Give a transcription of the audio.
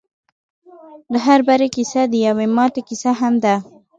د هر بري کيسه د يوې ماتې کيسه هم ده.